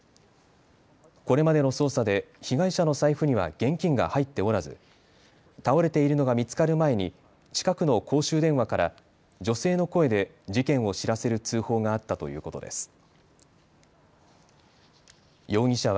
これまでの捜査で被害者の財布には現金が入っておらず倒れているのが見つかる前に近くの公衆電話から女性の声で事件を知らせる通報があったということです。